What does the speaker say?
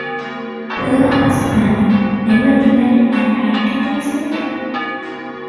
Her husband never remarried and died ten years later.